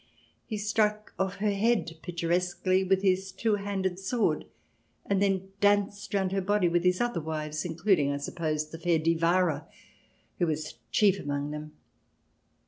He struck off her head pictur CH. xviii] ANABAPTISTS 255 esquely with his two handed sword, and then danced round her body with his other wives, including, I suppose, the fair Divara, who was chief among them.